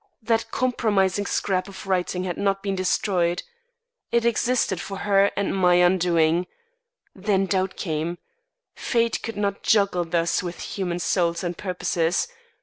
That compromising scrap of writing had not been destroyed. It existed for her and my undoing! Then doubt came. Fate could not juggle thus with human souls and purposes.